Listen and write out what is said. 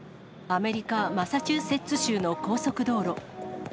アメリカ・マサチューセッツ州の高速道路。